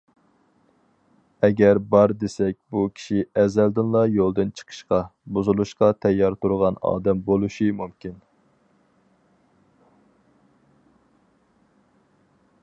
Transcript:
ئەگەر بار دېسەك بۇ كىشى ئەزەلدىنلا يولدىن چىقىشقا، بۇزۇلۇشقا تەييار تۇرغان ئادەم بولۇشى مۇمكىن.